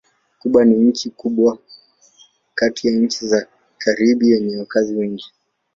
Kuba ni nchi kubwa kati ya nchi za Karibi yenye wakazi wengi.